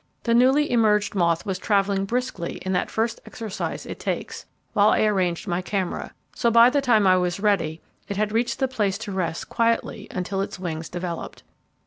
The newly emerged moth was travelling briskly in that first exercise it takes, while I arranged my camera; so by the time I was ready, it had reached the place to rest quietly until its wings developed.